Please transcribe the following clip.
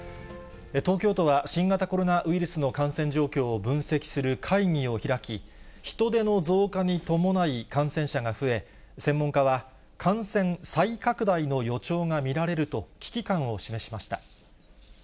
東京都は新型コロナウイルスの感染状況を分析する会議を開き、人出の増加に伴い感染者が増え、専門家は感染再拡大の予兆が見られると、危機感を示しました。